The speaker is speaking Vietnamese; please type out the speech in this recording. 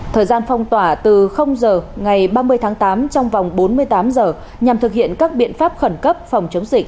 thời gian phong tỏa từ giờ ngày ba mươi tháng tám trong vòng bốn mươi tám giờ nhằm thực hiện các biện pháp khẩn cấp phòng chống dịch